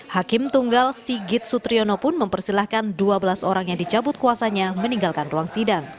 hakim tunggal sigit sutriono pun mempersilahkan dua belas orang yang dicabut kuasanya meninggalkan ruang sidang